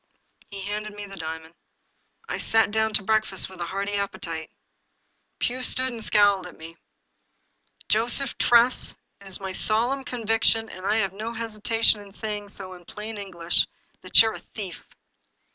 He handed me the diamond. I sat down to breakfast with a hearty appetite. Pugh stood and scowled at me. " Joseph Tress, it is my solemn conviction, and I have no hesitation in saying so in plain English, that you're a thief."